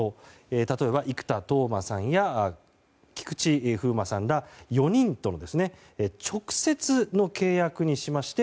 例えば、生田斗真さんや菊池風磨さんら４人との直接の契約にしまして